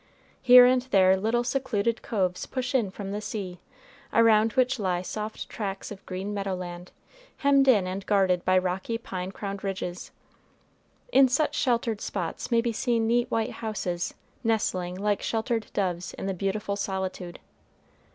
Here and there little secluded coves push in from the sea, around which lie soft tracts of green meadow land, hemmed in and guarded by rocky pine crowned ridges. In such sheltered spots may be seen neat white houses, nestling like sheltered doves in the beautiful solitude.